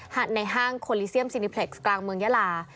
ในห้างโคลิเซียมซีนิเพล็กซ์กลางเมืองยาลา